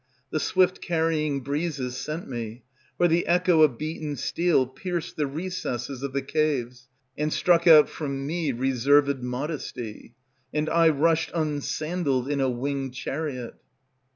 The swift carrying breezes sent me; For the echo of beaten steel pierced the recesses Of the caves, and struck out from me reserved modesty; And I rushed unsandaled in a winged chariot.